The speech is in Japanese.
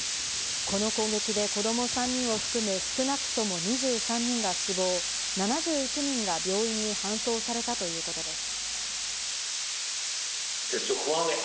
この攻撃で子供３人を含む、少なくとも２３人が死亡、７１人が病院に搬送されたということです。